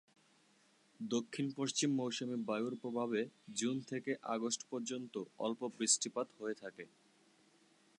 দক্ষিণপশ্চিম মৌসুমী বায়ুর প্রভাবে জুন থেকে আগস্ট পর্যন্ত অল্প বৃষ্টিপাত হয়ে থাকে।